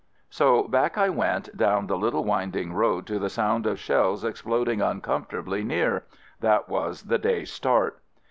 So back I went down the little winding road to the sound of shells exploding uncomfortably near — that was the day's start.